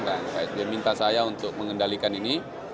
dan pak sby minta saya untuk mengendalikan ini